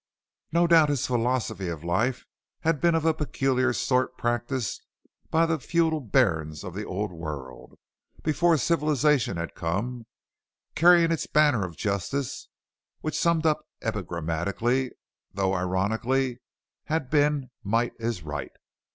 No doubt his philosophy of life had been of the peculiar sort practiced by the feudal barons of the Old World, before civilization had come, carrying its banner of justice, which, summed up epigrammatically, though ironically, had been "Might is Right."